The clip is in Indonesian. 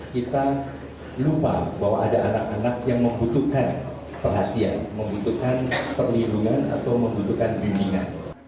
kita lupa bahwa ada anak anak yang membutuhkan perhatian membutuhkan perlindungan atau membutuhkan bimbingan